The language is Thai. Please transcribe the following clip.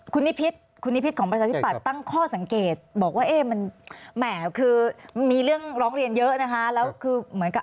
คุณนิพิษของบริษัทธิปัตย์ตั้งข้อสังเกตบอกว่ามีเรื่องร้องเรียนเยอะนะคะ